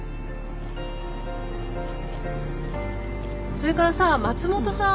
それからさ松本さん